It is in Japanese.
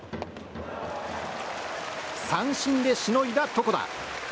三振でしのいだ床田。